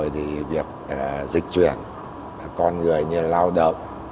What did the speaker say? thì việc dịch chuyển con người như lao động